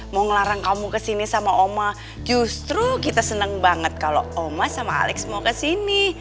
mau ngelarang kamu kesini sama oma justru kita senang banget kalau oma sama alex mau kesini